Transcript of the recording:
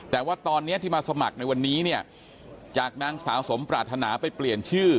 แต่ว่าตอนนี้ที่มาสมัครในวันนี้เนี่ยจากนางสาวสมปรารถนาไปเปลี่ยนชื่อ